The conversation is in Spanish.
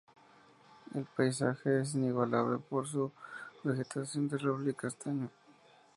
El paisaje es inigualable por su vegetación de roble y castaño.